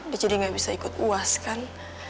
dia jadi gak bisa ikut uas kan